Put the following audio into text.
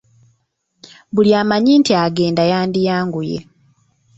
Buli amanyi nti agenda yandiyanguye.